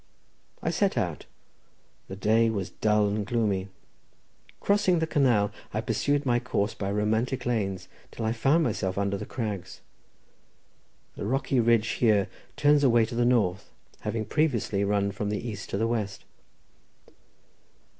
I set out. The day was dull and gloomy. Crossing the canal, I pursued my course by romantic lanes, till I found myself under the crags. The rocky ridge here turns away to the north, having previously run from the east to the west.